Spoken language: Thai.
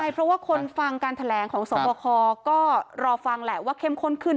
เพราะว่าคนฟังการแถลงของสวบคก็รอฟังแหละว่าเข้มข้นขึ้น